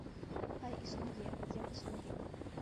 Хай існуе, як існуе.